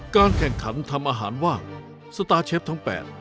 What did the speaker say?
การแข่งขันทำอาหารว่างสตาร์เชฟทั้ง๘